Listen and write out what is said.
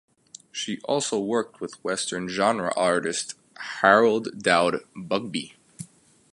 She also worked with western genre artist Harold Dowd Bugbee.